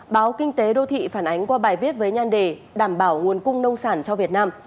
báo kinh tế đô thị phản ánh qua bài viết với nhan đề đảm bảo nguồn cung nông sản cho việt nam